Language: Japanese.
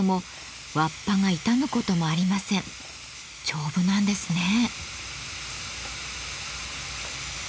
丈夫なんですね。